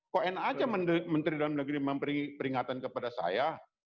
kok n aja menteri dalam negeri memperingatkan kepada saya